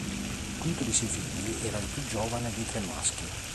Quinto di sei figli, era il più giovane dei tre maschi.